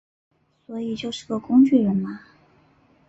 所以就是个工具人嘛